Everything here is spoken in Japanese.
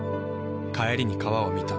帰りに川を見た。